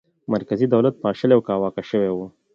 مرکزي دولت پاشلی او کاواکه شوی و.